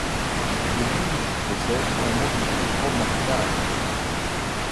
L'église possède un mobilier remarquable.